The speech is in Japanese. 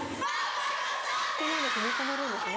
ここまで踏み込めるんですね